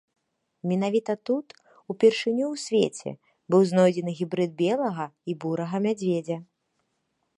Менавіта тут упершыню ў свеце быў знойдзены гібрыд белага і бурага мядзведзя.